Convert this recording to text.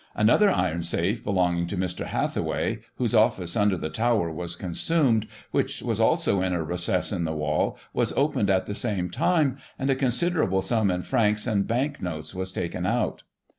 Another iron safe, belonging to Mr. Hathway, whose office, under the tower, was consumed, which was also in a recess in the wall, was opened at the same time, and a considerable sum in francs and bank notes was taken out.